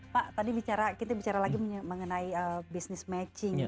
pak tadi bicara kita bicara lagi mengenai business matching